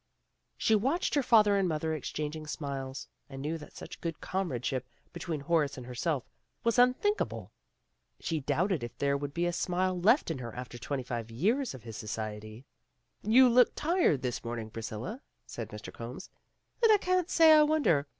She watched her father and mother exchanging smiles and knew that such good comradeship between Horace and herself was unthinkable. She doubted if there would be a smile left in her after twenty five years of his society. "You look tired this morning, Priscilla," said Mr. Combs. "And I can't say I wonder.